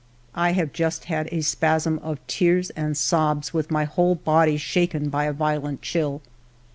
" I have just had a spasm of tears and sobs with my whole body shaken by a violent chill.